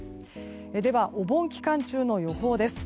では、お盆期間中の予報です。